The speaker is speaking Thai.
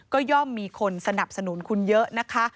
ก็ย่อมมีคนสนับสนุนคุณเยอะนะคะ